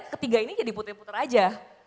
ketiga ini jadi putih putih aja